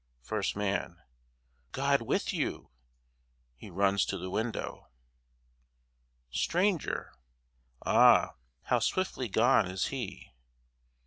FIRST MAN God with you. (he runs to the window) STRANGER Ah, how swiftly gone is he!